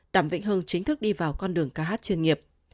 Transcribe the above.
đàm vĩnh hưng chính thức đi vào con đường ca hát chuyên nghiệp